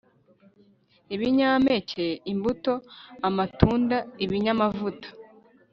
Ibinyampeke imbuto amatunda ibinyamavuta